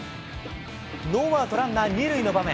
ノーアウトランナー２塁の場面。